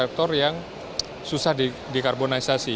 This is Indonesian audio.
untuk sektor sektor yang susah dikarbonisasi